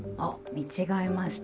見違えました。